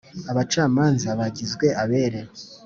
Abacamanza bagizwe abere.